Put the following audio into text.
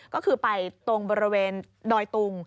ก็คือไปตรงบริเวณดอยตุง